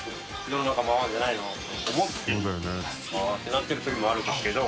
なってるときもあるんですけど。